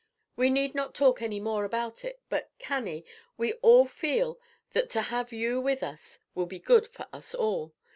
We need not talk any more about it, but, Cannie, we all feel that to have you with us will be good for us all.